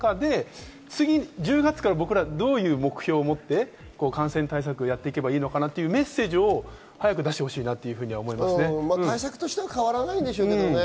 １０月から僕らどういう目標を持って感染対策をやっていけばいいのかなというメッセージを早く出してほしいなと思いますね。